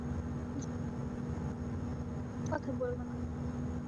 জিভ কেটে হলা বললে, এমন কথা বোলো না।